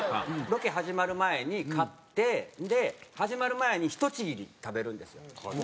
ロケ始まる前に買ってで始まる前にひとちぎり食べるんですよ。